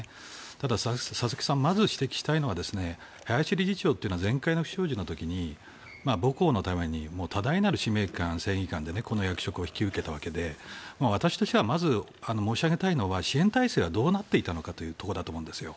ただ、佐々木さんまず指摘したいのは林理事長というのは前回の不祥事の時に母校のために多大なる使命感、正義感でこの役職を引き受けたわけで私としてはまず申し上げたいのは支援体制はどうなっていたのかというところだと思うんです。